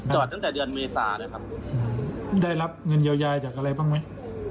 ตั้งแต่เดือนเมษาเลยครับได้รับเงินเยียวยาจากอะไรบ้างไหม